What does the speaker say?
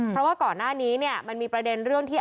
เพราะว่าก่อนหน้านี้เนี่ยมันมีประเด็นเรื่องที่